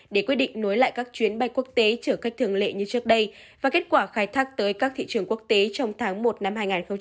để quyết định nối lại các chuyến bay quốc tế chở khách thường lệ như trước đây và kết quả khai thác tới các thị trường quốc tế trong tháng một năm hai nghìn hai mươi